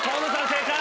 正解。